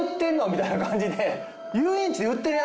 みたいな感じで。